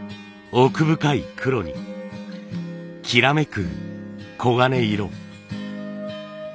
奥深い黒にきらめく黄金色。